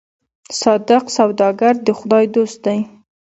صادق سوداګر د خدای دوست دی.